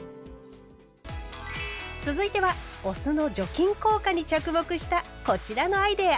続いてはお酢の除菌効果に着目したこちらのアイデア。